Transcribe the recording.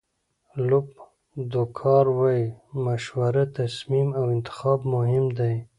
لوپ دورکا وایي مشوره، تصمیم او انتخاب مهم دي.